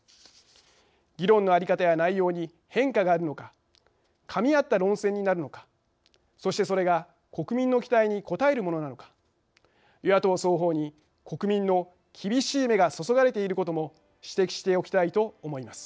議論の在り方や内容に変化があるのかかみ合った論戦になるのかそしてそれが国民の期待に応えるものなのか与野党双方に国民の厳しい目が注がれていることも指摘しておきたいと思います。